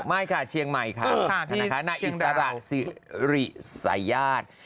ไม่ค่ะเชียงใหม่ค่ะธนาคาหน้าอิสระศริสัยาธิ์